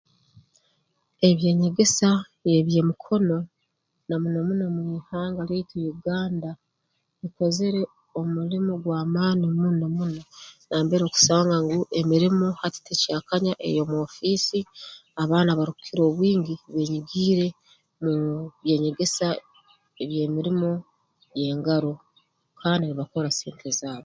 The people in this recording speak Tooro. Eby'enyegesa y'eby'emikono na muno muno mu ihanga lyaitu Uganda bikozere omulimo gw'amaani muno muno nambere okusanga ngu emirimo hati tekyakanya ey'omu ofiisi abaana abarukukira obwingi beenyigiire mu by'enyegesa eby'emirimo y'engaro kandi nibakora sente zaabo